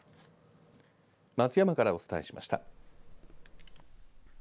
松山からお伝えしました。